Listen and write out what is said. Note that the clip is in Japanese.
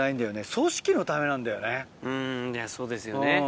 うんそうですよね。